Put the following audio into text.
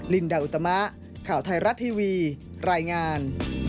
ลินดาอุตมะข่าวไทยรัฐทีวีรายงาน